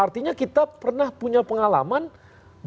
artinya kita pernah punya pengalaman